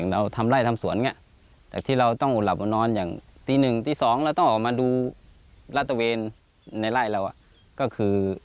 เราทำไร้ทำสวนแต่ที่เราต้องอุดหลับอ่อนนอนอย่างตีหนึ่งที่สองและต้องออกมาดูราชเมณในไร้เรามันก็คือ